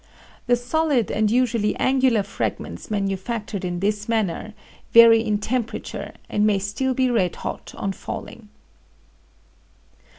The solid and usually angular fragments manufactured in this manner vary in temperature, and may still be red hot on falling.